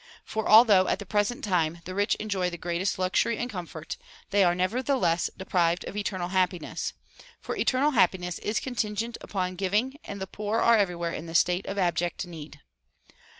For although at the present time the rich enjoy the greatest luxury and comfort, they are nevertheless deprived of eternal happiness; for eternal happiness is contingent upon giving and the poor are everywhere in the state of abject need.